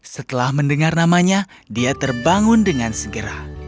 setelah mendengar namanya dia terbangun dengan segera